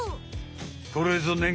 これぞねん